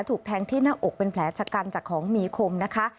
ถูกแทงที่หน้าอกเป็นแผลชะกันจากของมีคมนะคะ